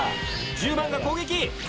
１０番が攻撃！